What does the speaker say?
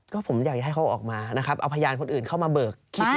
ก็ผมอยากให้เขาออกมานะครับเอาพยานคนอื่นเข้ามาเบิกคิด